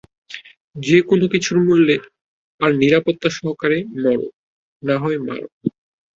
যে কোনো কিছুর মূল্যে আর নিরাপত্তা সহকারে মরো, না হয় মারো।